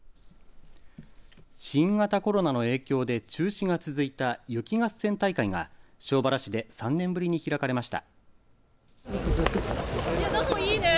新型コロナの影響で中止が続いた雪合戦大会が庄原市で３年ぶりに開かれました。